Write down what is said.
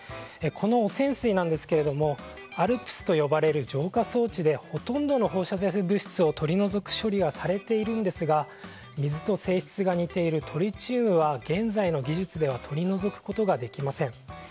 この汚染水はＡＬＰＳと呼ばれる浄化装置でほとんどの放射性物質を取り除く処理はされているんですが水と性質が似ているトリチウムは現在の技術では取り除くことができません。